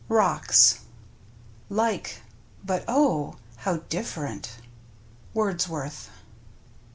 " ROCKS " Like, but oh! how different. — Wordsworth.